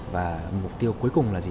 và mục tiêu cuối cùng là gì